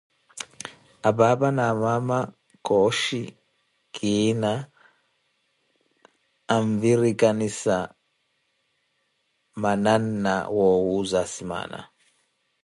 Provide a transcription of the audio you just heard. Apaapa na amaana cooxhi kiina anvirikanisa mananna woowuza asimaana.